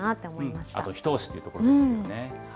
あと一押しというところですよね。